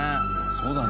そうだね。